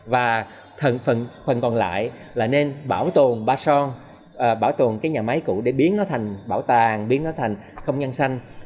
và phần còn lại là nên bảo tồn ba son bảo tồn cái nhà máy cũ để biến nó thành bảo tàng biến nó thành không gian xanh